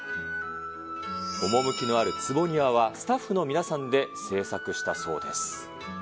趣のある坪庭はスタッフの皆さんで制作したそうです。